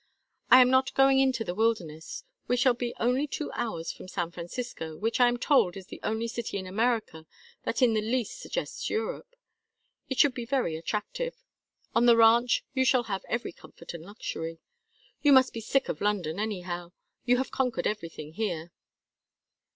I am not going into the wilderness. We shall be only two hours from San Francisco, which I am told is the only city in America that in the least suggests Europe; it should be very attractive. On the ranch you shall have every comfort and luxury. You must be sick of London, anyhow. You have conquered everything here."